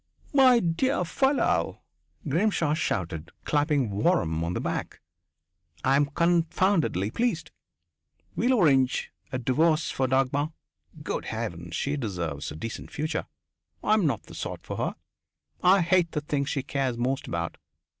"My dear fellow," Grimshaw shouted, clapping Waram on the back, "I'm confoundedly pleased! We'll arrange a divorce for Dagmar. Good heaven, she deserves a decent future. I'm not the sort for her. I hate the things she cares most about.